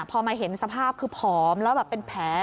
พอมาเห็นสภาพคือผอมแล้วแบบเป็นแผล